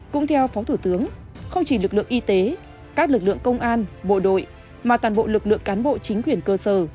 cũng theo phó thủ tướng không chỉ lực lượng y tế các lực lượng công an bộ đội mà toàn bộ lực lượng cán bộ chính quyền cơ sở